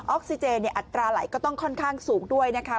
ออกซิเจออัตราไหลก็ต้องค่อนข้างสูงด้วยนะคะ